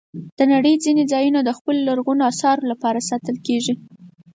د نړۍ ځینې ځایونه د خپلو لرغونو آثارو لپاره ساتل کېږي.